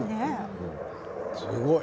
すごい。